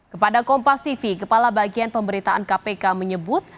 kepada kompas tv kepala bagian pemberitaan kpk menyebut